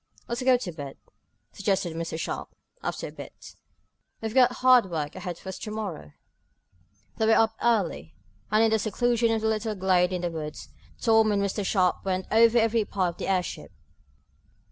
"Let's go to bed," suggested Mr. Sharp, after a bit. "We've got hard work ahead of us to morrow." They were up early, and, in the seclusion of the little glade in the woods, Tom and Mr. Sharp went over every part of the airship.